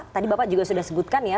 tadi bapak juga sudah sebutkan ya